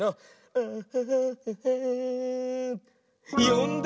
よんだ？